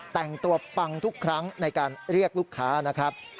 แต่งตัวปังทุกครั้งในการเรียกลูกค้านะครับ